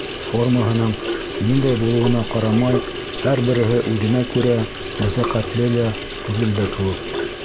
Формаһының ниндәй булыуына ҡарамай, һәр береһе үҙенә күрә нәзәкәтле лә, түгел дә кеүек.